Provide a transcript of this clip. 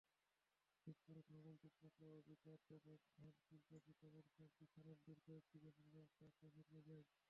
বিস্ফোরণে ভবনটির পাশের অভিজাত রন্ধনশিল্প শিক্ষাপ্রতিষ্ঠান ফেরান্দির কয়েকটি জানালার কাচও ভেঙে যায়।